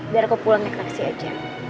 biar aku pulang naik taksi aja